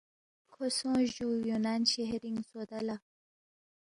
کھو سونگس جُو یُونان شہرِنگ سودا لہ